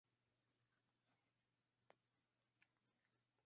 Al igual que la definición pasada, se volvieron a enfrentar estas escuadras.